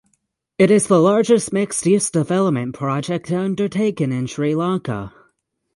It is the largest mixed use development project undertaken in Sri Lanka.